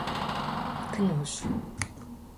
Que nojo...